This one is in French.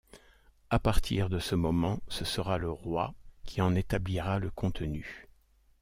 À partir de ce moment ce sera le roi qui en établira le contenu.